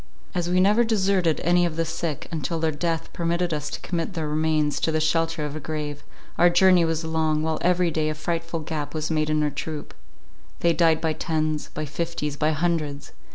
As we never deserted any of the sick, until their death permitted us to commit their remains to the shelter of a grave, our journey was long, while every day a frightful gap was made in our troop—they died by tens, by fifties, by hundreds.